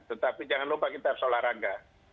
tetapi jangan lupa kita harus olahraga